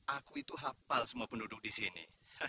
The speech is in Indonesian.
aku itu hafal semua penduduk di sini